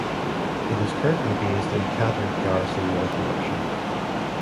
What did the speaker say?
It is currently based in Catterick Garrison North Yorkshire.